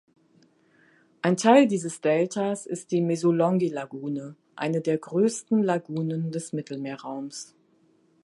Ein Teil dieses Deltas ist die Mesolongi-Lagune, eine der größten Lagunen des Mittelmeerraums.